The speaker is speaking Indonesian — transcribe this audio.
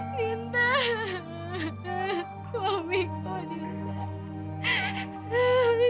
dinda suamiku dinda